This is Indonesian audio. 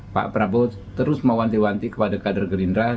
pak prabowo terus mewanti wanti kepada kader gerindra